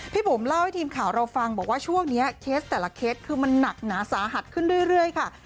บุ๋มเล่าให้ทีมข่าวเราฟังบอกว่าช่วงนี้เคสแต่ละเคสคือมันหนักหนาสาหัสขึ้นเรื่อยค่ะ